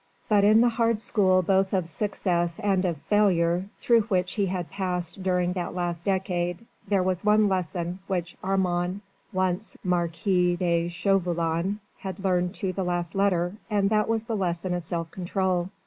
But in the hard school both of success and of failure through which he had passed during the last decade, there was one lesson which Armand once Marquis de Chauvelin had learned to the last letter, and that was the lesson of self control.